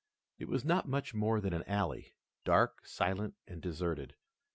It was not much more than an alley, dark, silent, and deserted.